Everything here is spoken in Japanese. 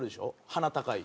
鼻高い？